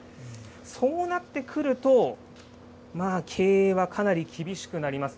そうなってくると、経営はかなり厳しくなります。